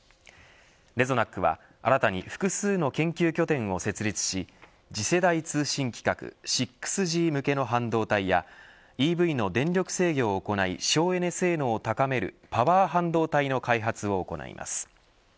レゾナックは新たに複数の研究拠点を設立し次世代通信規格６Ｇ向けの半導体やＥＶの電力制御を行い省エネ生産を高めるパワー半導体の開発を行います。